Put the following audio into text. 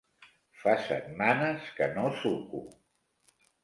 Fa setmanes que no suco.